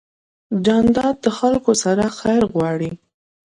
جانداد د خلکو سره خیر غواړي.